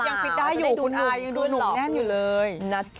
ฟิตยังฟิตได้อยู่คุณอายุดูหนุ่มแน่นอยู่เลย